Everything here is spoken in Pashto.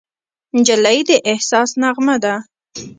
نجلۍ د احساس نغمه ده.